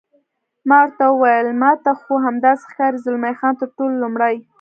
ما ورته وویل: ما ته خو همداسې ښکاري، زلمی خان: تر ټولو لومړی.